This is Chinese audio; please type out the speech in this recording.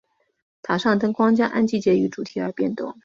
塔上灯光将按季节与主题而变动。